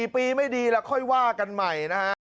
๔ปีไม่ดีแล้วค่อยว่ากันใหม่นะฮะ